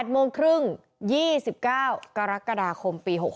โมงครึ่ง๒๙กรกฎาคมปี๖๖